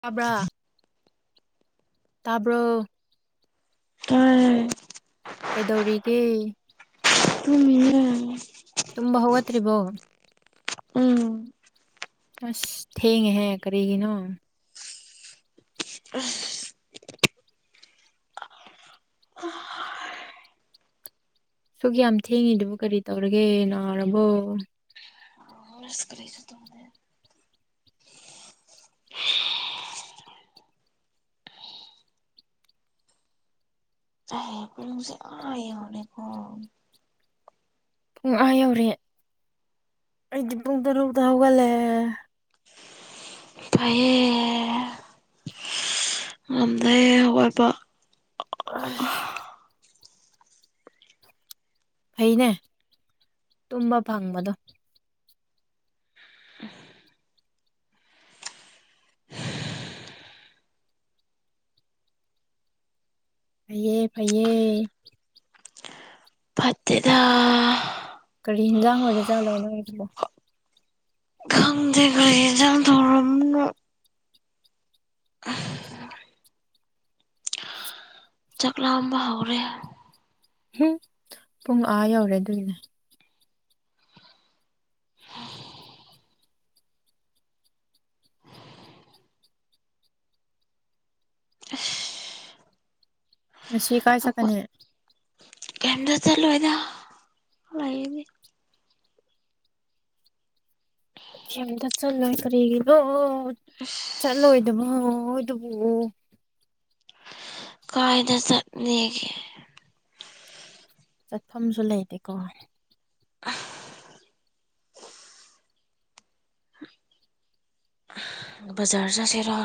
ꯇꯥꯕ꯭ꯔꯥ ꯇꯥꯕ꯭ꯔꯣ ꯇꯥꯌꯦ ꯀꯩꯗꯧꯔꯤꯒꯦ ꯇꯨꯝꯃꯤꯌꯦ ꯇꯨꯝꯕ ꯍꯧꯒꯠꯇ꯭ꯔꯤꯕꯣ ꯎꯝ ꯑꯁ ꯊꯦꯡꯉꯦꯍꯦ ꯀꯔꯤꯒꯤꯅꯣ ꯑꯁ ꯁꯨꯛ ꯌꯥꯝ ꯊꯦꯡꯉꯤꯗꯨꯕꯨ ꯀꯔꯤ ꯇꯧꯔꯒꯦ ꯅꯥꯔꯕꯣ ꯑꯁ ꯀꯔꯤꯁꯨ ꯇꯧꯗꯦ ꯑꯩ ꯄꯨꯡꯁꯦ ꯑꯥ ꯌꯧꯔꯦꯀꯣ ꯄꯨꯡ ꯑꯥ ꯌꯧꯔꯦ ꯑꯩꯗꯤ ꯄꯨꯡ ꯇꯥꯔꯨꯛꯇꯥ ꯍꯧꯒꯠꯂꯦ ꯐꯩꯌꯦ ꯉꯝꯗꯦ [unintelligible] ꯍꯧꯒꯠꯄ ꯑꯁ ꯐꯩꯅꯦ ꯇꯨꯝꯕ ꯐꯪꯕꯗꯣ ꯐꯩꯌꯦ ꯐꯩꯩꯌꯦ ꯐꯠꯇꯦꯗ ꯀꯔꯤ ꯍꯤꯟꯖꯥꯡ ꯑꯣꯢꯔꯖꯥꯠꯂꯣ ꯅꯣꯢꯒꯤꯗꯨꯕꯣ ꯈꯪꯗꯦ ꯀꯔꯤ ꯍ‌ꯦꯟꯖꯥꯡ ꯊꯣꯡꯔꯝꯕꯅ‌ꯣ ꯆꯥꯛ ꯂꯥꯝꯕ ꯍꯧꯔꯦ ꯍꯨꯝ ꯄꯨꯡ ꯑꯥ ꯌꯧꯔꯦ ꯑꯗꯨꯒꯤꯅꯦ ꯉꯁꯤ ꯀꯥꯏ ꯆꯠꯀꯅꯤ ꯀꯦꯝꯇꯥ ꯆꯠꯂꯣꯏꯗ ꯂꯩꯒꯅꯤ ꯀꯦꯝꯇꯥ ꯆꯠꯂꯣꯢ ꯀꯔꯤꯒꯤꯅꯣ ꯑꯁ ꯆꯠꯂꯣꯏꯗꯕ ꯍꯣꯢꯗꯨꯕꯨ ꯀꯥꯏꯗ ꯆꯠꯅꯤꯒꯦ ꯆꯠꯐꯝꯁꯨ ꯂꯩꯇꯦꯀꯣ ꯕꯖꯥꯔ ꯆꯠꯁꯤꯔ‌ꯣ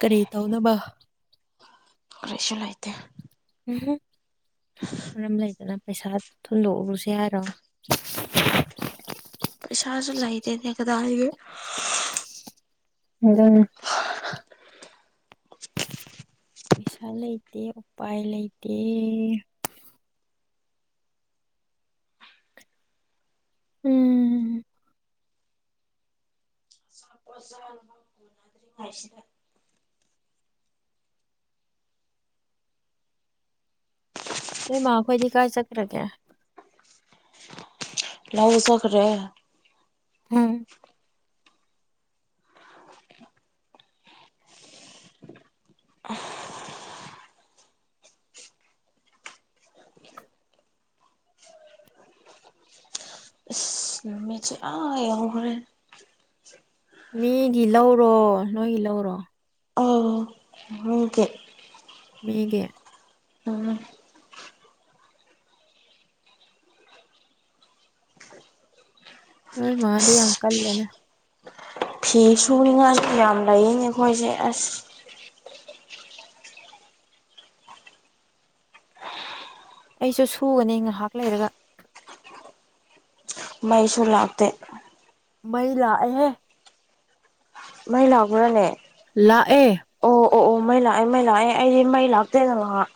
ꯀꯔꯤ ꯇꯧꯅꯕ ꯀꯔꯤꯁꯨ ꯂꯩꯇꯦ ꯎꯝꯍꯨꯝ ꯃꯔꯝ ꯂꯩꯇꯅ ꯄꯩꯁꯥ ꯊꯨꯟꯗꯣꯛꯎꯁꯤ ꯍꯥꯏꯔꯣ ꯄꯩꯁꯥꯁꯨ ꯂꯩꯇꯦꯅꯦ ꯀꯗꯥꯏꯗꯩ ꯑꯗꯨꯅ‌ꯦ ꯄꯩꯁꯥ ꯂꯩꯇꯦ ꯎꯄꯥꯏ ꯂꯩꯇꯦ ꯎꯝ ꯑꯣꯖꯥꯅꯤ [unintelligible] [unintelligible] ꯅ‌ꯣꯏ ꯃꯥꯈꯣꯏꯗꯤ ꯀꯥꯏ ꯆꯠꯈ꯭ꯔꯒꯦ ꯂꯧ ꯆꯠꯈ꯭ꯔꯦ ꯎꯝ ꯑꯁ ꯅꯨꯃꯤꯠꯁꯦ ꯑꯥ ꯌꯧꯈ꯭ꯔꯦ ꯃꯤꯒꯤ ꯂꯧꯔꯣ ꯅꯣꯏꯒꯤ ꯂꯧꯔꯣ ꯃꯤꯒꯤ ꯃꯤꯒꯤ ꯎꯝ ꯅꯣꯏ ꯃꯥꯗꯤ ꯌꯥꯝ ꯑꯁ ꯀꯜꯂꯦꯅꯦ ꯐꯤ ꯁꯨꯅꯤꯡꯉꯥꯏ ꯌꯥꯝ ꯂꯩꯌꯦꯅꯦ ꯑꯩꯈꯣꯏꯁꯦ ꯑꯁ ꯑꯩꯁꯨ ꯁꯨꯒꯅꯤ ꯉꯥꯍꯥꯛ ꯂꯩꯔꯒ ꯃꯩꯁꯨ ꯂꯥꯛꯇꯦ ꯃꯩ ꯂꯥꯛꯑꯦꯍꯦ ꯃꯩ ꯂꯥꯛꯄ꯭ꯔꯅꯦ ꯂꯥꯛꯑꯦ ꯑꯣ ꯑꯣ ꯑꯣ ꯃꯩ ꯂꯥꯛꯑꯦ ꯃꯩ ꯂꯥꯛꯑꯦ ꯑꯩꯗꯤ ꯃꯩ ꯂꯥꯛꯇꯦꯅ ꯉꯍꯥꯛ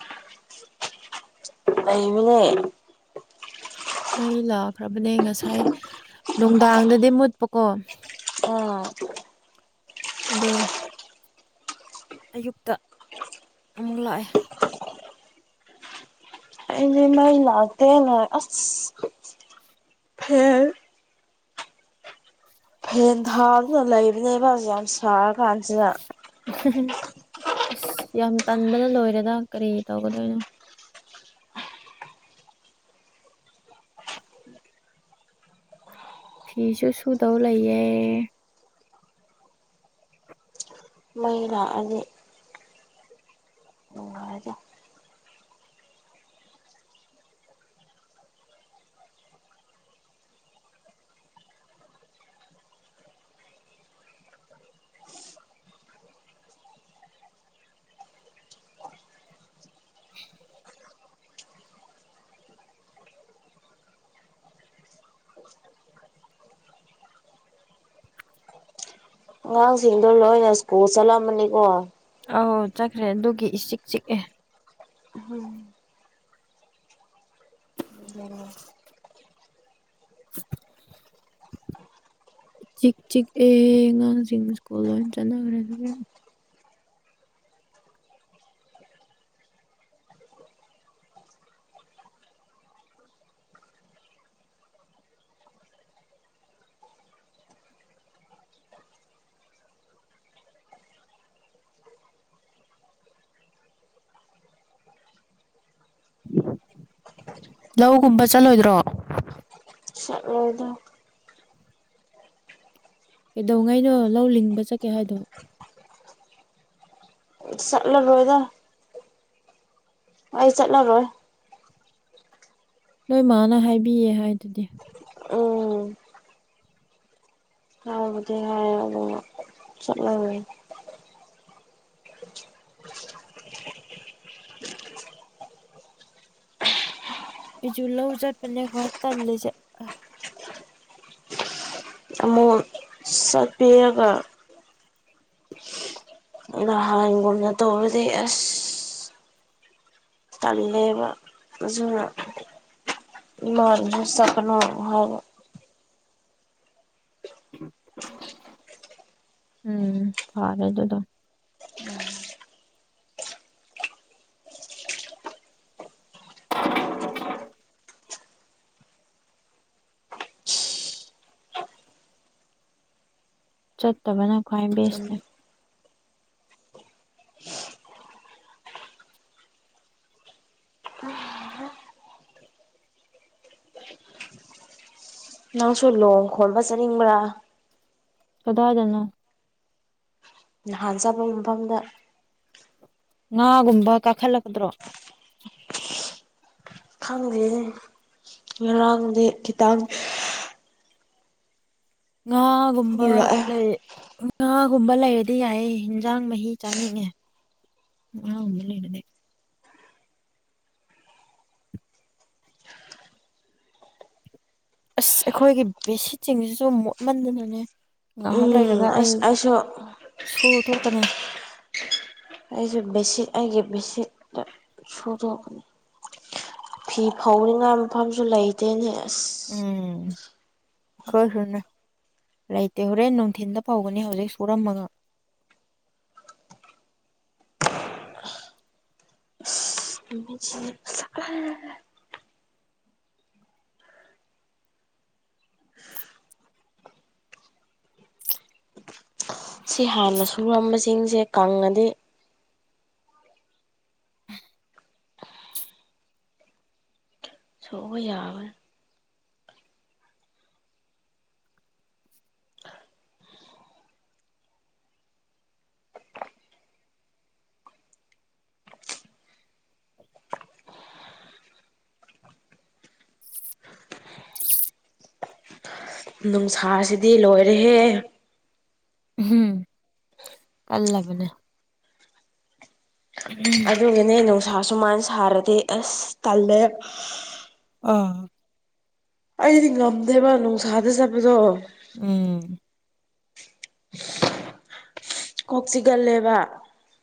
ꯂꯩꯝꯃꯤꯅꯦ ꯃꯩ ꯂꯥꯛꯈ꯭ꯔꯕꯅꯦ ꯉꯁꯥꯏ ꯅꯨꯡꯗꯥꯡꯗꯗꯤ ꯃꯨꯠꯄꯀꯣ ꯑ ꯑꯗꯣ ꯑꯌꯨꯛꯇ ꯑꯃꯨꯛ ꯂꯥꯛꯑꯦ ꯃꯩ ꯂꯥꯛꯇꯦꯅ ꯑꯁ [unintelligible] ꯐꯦꯟ ꯊꯥꯗꯨꯅ ꯂꯩꯕꯅꯦꯕ ꯌꯥꯝ ꯁꯥꯔ ꯀꯥꯟꯁꯤꯗ [unintelligible] ꯑꯁ ꯌꯥꯝ ꯇꯟꯕꯅ ꯂꯣꯏꯔꯦꯗ ꯀꯔꯤ ꯇꯧꯒꯗꯣꯏꯅꯣ ꯐꯤꯁꯨ ꯁꯨꯗꯧ ꯂꯩꯥꯌꯦ ꯃꯩ ꯂꯥꯛꯑꯗꯤ [unintelligible] ꯑꯉꯥꯡꯁꯤꯡꯗꯣ ꯂꯣꯏꯅ ꯁ꯭ꯀꯨꯜ ꯆꯠꯂꯝꯃꯅꯤꯀꯣ ꯑꯧ ꯆꯠꯈ꯭ꯔꯦ ꯑꯗꯨꯒꯤ ꯏꯆꯤꯛ ꯆꯤꯛꯑꯦ ꯑꯍꯝ [unintelligible] [inaudible] ꯆꯤꯛ ꯆꯤꯛꯑꯦ ꯑꯉꯥꯡꯁꯤꯡ ꯁ꯭ꯀꯨꯜ ꯂꯣꯏ ꯆꯠꯅꯈ꯭ꯔꯦ ꯑꯗꯨꯒꯤ ꯂꯧꯒꯨꯝꯕ ꯆꯠꯂꯣꯏꯗ꯭ꯔꯣ ꯂꫭꯏꯗ ꯀꯩꯗꯧꯉꯩꯅꯣ ꯂꯧ ꯂꯤꯡꯕ ꯆꯠꯀꯦ ꯍꯥꯏꯗꯣ ꯆꯠꯂꯔꯣꯏꯗ ꯑꯩ ꯆꯠꯂꯔꯣꯏ ꯅꯣꯏ ꯃꯥꯅ ꯍꯥꯏꯕꯤꯌꯦ ꯍꯥꯏꯗꯨꯗꯤ ꯎꯝ ꯍꯥꯏꯕꯨꯗꯤ ꯍꯥꯏ ꯑꯗꯨꯕꯨ ꯆꯠꯂꯔꯣꯏ ꯑꯩꯖꯨ ꯂꯧ ꯆꯠꯄꯅꯦ ꯈ꯭ꯋꯥꯏ ꯇꯜꯂꯤꯁꯦ [unintelligible] ꯆꯠꯄꯤꯔꯒ ꯅꯍꯥꯟꯒꯨꯝꯅ ꯇꯧꯔꯗꯤ ꯑꯁ ꯇꯜꯂꯦꯕ ꯑꯗꯨꯅ ꯏꯃꯥꯅꯁꯨ ꯆꯠꯀꯅꯣ ꯍꯥꯏꯕ ꯎꯝ ꯐꯔꯦ ꯑꯗꯨꯗꯣ ꯆꯠꯇꯕꯅ ꯈ꯭ꯋꯥꯏ ꯕꯦꯁꯅꯦ ꯅꯪꯁꯨ ꯂꯣꯡ ꯈꯣꯟꯕ ꯆꯠꯅꯤꯡꯕ꯭ꯔ ꯀꯗꯥꯏꯗꯅꯣ ꯅꯍꯥꯟ ꯆꯠꯄ ꯃꯐꯝꯗ ꯉꯥꯒꯨꯝꯕ ꯀꯥꯈꯠꯂꯛꯀꯗ꯭ꯔꫭ ꯈꯪꯗꯦꯅꯦ ꯉꯔꯥꯡꯗꯤ ꯈꯤꯇꯪ ꯉꯥꯒꯨꯝꯕ ꯍꯧꯔꯛꯑꯦ ꯂꯩ ꯉꯥꯒꯨꯝꯕ ꯂꯩꯔꯗꯤ ꯌꯥꯏꯌꯦ ꯍꯤꯟꯖꯥꯡ ꯃꯍꯤ ꯆꯥꯅꯤꯡꯉꯦ ꯉꯥꯒꯨꯝꯕ ꯂꯩꯔꯗꯤ ꯑꯁ ꯑꯩꯈꯣꯏꯒꯤ ꯕꯦꯁꯤꯠꯁꯤꯡꯁꯤꯁꯨ ꯃꯣꯠꯃꯟꯗꯅꯅꯦ ꯉꯥꯍꯥꯛ ꯎꯝ ꯂꯩꯔꯒ ꯑꯩ ꯑꯁ ꯑꯩꯁꯨ ꯁꯨ ꯗꫭꯛꯀꯅꯤ ꯑꯩꯁꯨ ꯕꯦꯁꯤꯠ ꯑꯩꯒꯤ ꯕꯦꯁꯤꯠꯇ ꯁꯨꯗꯣꯛꯀꯅꯤ ꯐꯤ ꯐꯧꯅꯤꯉꯥꯢ ꯃꯐꯝꯁꯨ ꯂꯩꯇꯦꯅꯦ ꯑꯁ ꯎꯝ ꯑꯈꯣꯢꯁꯨꯅꯦ ꯂꯩꯇꯦ ꯍꯣꯔꯦꯟ ꯅꯨꯡꯊꯤꯟꯗ ꯐꯥꯎꯒꯅꯤ ꯍꯧꯖꯤꯛ ꯁꯨꯔꯝꯃꯒ ꯇꯨꯃꯤꯠ ꯆꯤꯛꯑ ꯑ [unintelligible] ꯁꯤ ꯍꯥꯟꯅ ꯁꯨꯔꯝꯕꯁꯤꯡꯁꯦ ꯀꯪꯉꯗꯤ ꯇꯧꯕ ꯌꯥꯕꯅꯦ ꯅꯨꯡꯁꯥꯁꯤꯗꯤ ꯂꯣꯏꯔꯦꯍꯦ ꯎꯝ ꯀꯜꯂꯕꯅꯦ ꯑꯗꯨꯒꯤꯅꯦ ꯅꯨꯡꯁꯥ ꯁꯨꯃꯥꯢ ꯁꯥꯔꯗꯤ ꯑꯁ ꯇꯜꯂꯦ ꯑ ꯑꯩꯗꯤ ꯉꯝꯗꯦꯕ ꯅꯨꯡꯁꯥꯗ ꯆꯠꯄꯗꯣ ꯎꯝ ꯀꯣꯛ ꯆꯤꯛꯀꯜꯂꯦꯕ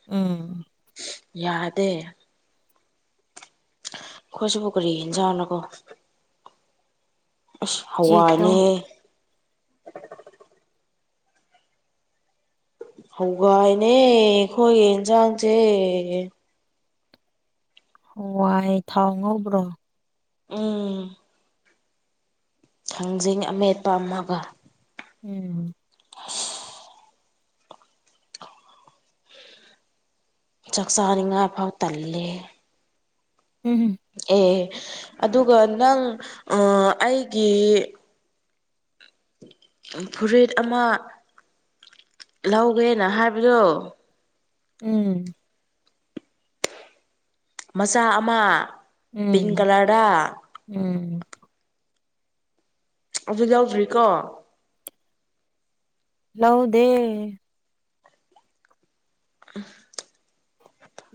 ꯎꯝ ꯌꯥꯗꯦ ꯑꯈꯣꯢꯁꯤꯕꯣ ꯀꯔꯤ ꯍꯤꯟꯖꯥꯥꯡ ꯂꯀꯣ ꯑꯁ ꯆꯦꯛ ꯇꯧ ꯍꯋꯥꯏꯅꯦꯍꯦ ꯍꯧꯋꯥꯏꯅꯦ ꯑꯩꯈꯣꯏ ꯏꯟꯁꯥꯡꯁꯦ ꯍꯥꯋꯥꯢ ꯊꯥꯎ ꯉꯧꯕ꯭ꯔꯣ ꯎꯝ ꯊꯥꯡꯖꯤꯡ ꯑꯃꯦꯠꯄ ꯑꯃꯒ ꯎꯝ ꯑꯁ ꯆꯥꯛ ꯆꯥꯅꯤꯡꯉꯥꯏ ꯐꯥꯎ ꯇꯜꯂꯦ ꯍꯦ ꯎꯝ ꯍꯨꯝ ꯑꯦ ꯑꯗꯨꯒ ꯅꯪ ꯑ ꯑꯩꯒꯤ ꯐꯨꯔꯤꯠ ꯑꯃ ꯂꯧꯒꯦꯅ ꯍꯥꯏꯕꯗꯣ ꯎꯝ ꯃꯆꯥ ꯑꯃ ꯄꯤꯡ ꯎꯝ ꯀꯂꯔꯗ ꯎꯝ ꯑꯗꯨ ꯂꯧꯗ꯭ꯔꯤꯀꯣ ꯂꯧꯗꯦ ꯎꯝ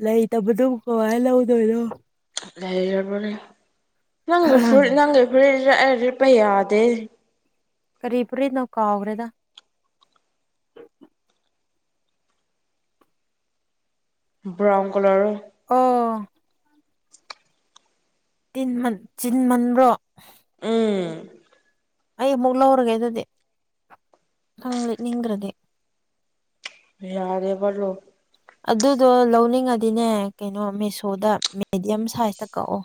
ꯂꯩꯇꯕꯗꯨꯕꯨ ꯀꯃꯥꯏ ꯂꯧꯗꯣꯏꯅꯣ ꯂꯩꯔꯕꯅꯦ ꯅꯪ ꯐꯨꯔꯤꯠ ꯅꯪꯒꯤ ꯐꯨꯔꯤꯠꯁꯦ ꯑꯩ ꯂꯤꯠꯄ ꯌꯥꯗꯦꯅꯦ ꯀꯔꯤ ꯐꯨꯔꯤꯠꯅꯣ ꯀꯥꯎꯒꯔꯦꯗ ꯕ꯭ꯔꯥꯎꯟ ꯀꯂꯔꯔꯣ ꯑꯣ ꯇꯤꯟ ꯍꯟ ꯆꯤꯟꯃꯟꯕ꯭ꯔꯣ ꯎꯝ ꯑꯩ ꯑꯃꯨꯛ ꯂꯧꯔꯒꯦ ꯑꯗꯨꯗꯤ ꯅꯪ ꯂꯤꯠꯅꯤꯡꯗ꯭ꯔꯗꯤ ꯌꯥꯔꯦꯕꯔꯣ ꯑꯗꯨꯗꯣ ꯂꯧꯅꯤꯡꯉꯗꯤꯅꯦ ꯀꯩꯅꯣ ꯃꯦꯁꯣꯗ ꯃꯦꯗꯤꯌꯝ ꯁꯥꯏꯖꯇ ꯀꯛꯑꯣ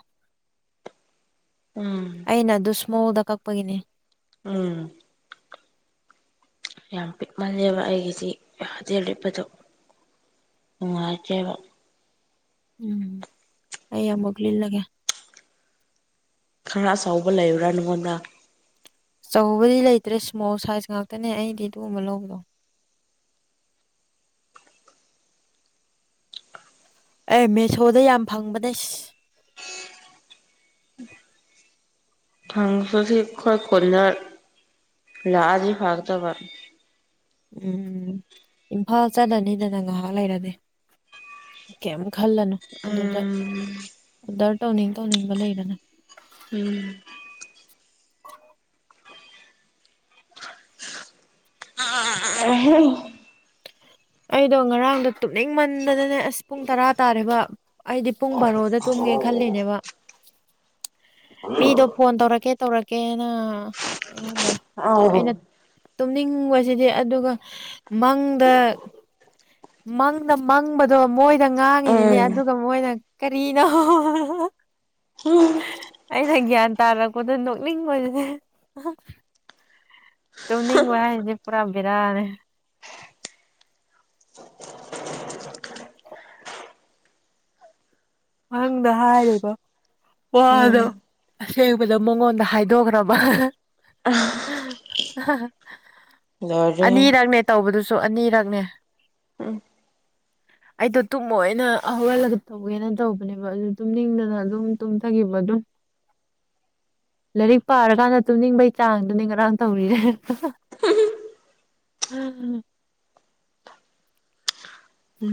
[inaudible] ꯎꯝ ꯑꯩꯅ ꯑꯗꯨ ꯁ꯭ꯃꯣꯜꯗ ꯀꯛꯄꯒꯤꯅꯦ ꯎꯝ ꯌꯥꯝ ꯄꯤꯛꯃꯜꯂꯦꯕ ꯑꯩꯒꯤꯖꯤ ꯌꯥꯗꯦ ꯂꯤꯠꯄꯗꯣ ꯅꯨꯡꯉꯥꯏꯇꯦꯕ ꯎꯝ ꯑꯩ ꯑꯃꯨꯛ ꯂꯤꯠꯂꯒꯦ ꯈꯔ ꯑꯆꯧꯕ ꯂꯩꯕ꯭ꯔꯥ ꯅꯉꯣꯟꯗ ꯑꯆꯧꯕꯗꯤ ꯂꯩꯇ꯭ꯔꯦ ꯁ꯭ꯃꯣꯜ ꯁꯥꯏꯖ ꯉꯥꯛꯇꯅꯦ ꯑꯩꯗꯤ ꯑꯗꯨꯒꯨꯝꯕ ꯂꯧꯕꯗꯣ ꯑꯩ ꯃꯦꯁꯣꯗ ꯌꯥꯝ ꯐꯪꯕꯅꯦꯁ ꯐꯪꯉꯁꯨ ꯁꯤ ꯑꯩꯈꯣꯏ ꯈꯨꯟꯗ ꯂꯥꯛꯑꯗꯤ ꯐꯒꯗꯕ ꯎꯝ ꯏꯝꯐꯥꯜ ꯆꯠꯂꯅꯤꯗꯅ ꯉꯥꯍꯥꯛ ꯂꯩꯔꯗꯤ ꯀꯩꯝ ꯈꯜꯂꯅꯨ ꯑꯗꯨꯗ ꯎꯝ ꯑꯣꯗꯔ ꯇꯧꯅꯤꯡ ꯇꯧꯅꯤꯡꯕ ꯂꯩꯗꯅ ꯎꯝ [unintelligible] ꯑꯩꯗꯣ ꯉꯔꯥꯡꯗꯣ ꯇꯨꯝꯅꯤꯡ ꯃꯟꯗꯅꯅꯦ ꯑꯁ ꯄꯨꯡ ꯇꯔꯥ ꯇꯥꯔꯦꯕ ꯑꯩꯗꯤ ꯄꯨꯡ ꯕꯥꯔꯣꯗ ꯇꯨꯝꯒꯦ ꯈꯜꯂꯤꯅꯦꯕ ꯃꯤꯗꯣ ꯐꯣꯟ ꯇꯧꯔꯛꯀꯦ ꯇꯧꯔꯛꯀꯦꯅ ꯑꯩꯉꯣꯟꯗ ꯑꯧ ꯑꯩꯅ ꯇꯨꯝꯅꯤꯡꯕꯖꯤꯗꯤ ꯑꯗꯨꯒ ꯃꯪꯗ ꯃꯪꯗ ꯃꯪꯕꯗꯣ ꯃꯣꯏꯗ ꯉꯥꯡꯉꯤꯅꯤꯅꯦ ꯎꯝ ꯑꯗꯨꯒ ꯃꯣꯏꯅ ꯀꯔꯤꯅꯣ [unintelligible] ꯑꯩꯅ ꯒ꯭ꯌꯥꯟ ꯇꯥꯔꯛꯄꯗ ꯅꯣꯛꯅꯤꯡꯕꯖꯤꯗꯤ ꯇꯨꯝꯅꯤꯡꯕ ꯍꯥꯏꯁꯦ ꯄꯨꯔꯥ ꯕꯦꯔꯥꯅꯦ ꯃꯪꯗ ꯍꯥꯏꯔꯤꯕ ꯎꯝ ꯋꯥꯗꯣ ꯑꯁꯦꯡꯕꯗ ꯃꯉꯣꯟꯗ ꯍꯥꯏꯗꯣꯒ꯭ꯔꯕ ꯂꯣꯏꯔꯦ ꯑꯅꯤꯔꯛꯅꯦ ꯇꯧꯕꯗꯨꯁꯨ ꯑꯅꯤꯔꯛꯅꯦ ꯎꯝ ꯑꯩꯗꯣ ꯇꯨꯝꯃꯣꯢꯅ ꯍꯧꯒꯂꯒ ꯇꯧꯒꯦꯅ ꯇꯧꯕꯅꯦꯕ ꯑꯗꯨ ꯇꯨꯝꯅꯤꯡꯗꯅ ꯑꯗꯨꯝ ꯇꯨꯝꯊꯈꯤꯕ ꯑꯗꯨꯝ ꯂꯥꯏꯔꯤꯛ ꯄꯥꯔꯀꯥꯟꯗ ꯇꯨꯝꯅꯤꯡꯕꯒꯤ ꯆꯥꯡꯗꯨꯅꯤ ꯉꯔꯥꯡ ꯇꯧꯔꯤꯁꯦ [unintelligible]